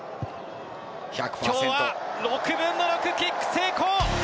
きょうは６分の６キック成功！